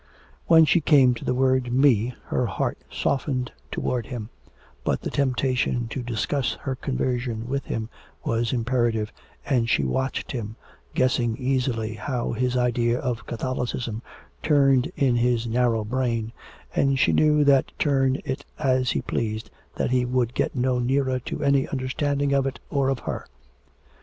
When she came to the word me her heart softened towards him, but the temptation to discuss her conversion with him was imperative, and she watched him, guessing easily how his idea of Catholicism turned in his narrow brain, and she knew that turn it as he pleased, that he would get no nearer to any understanding of it or of her.